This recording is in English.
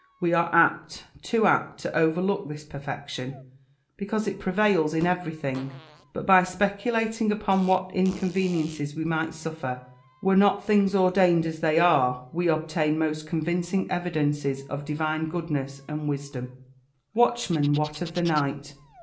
We are apt, too apt, to overlook this perfection, because it prevails in everything; but by speculating upon what inconveniences we might suffer, were not things ordained as they are, we obtain most convincing evidences of divine goodness and wisdom. [Verse: "Watchman, what of the night?